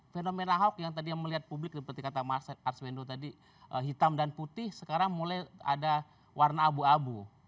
fenomena ahok yang tadi yang melihat publik seperti kata arswendo tadi hitam dan putih sekarang mulai ada warna abu abu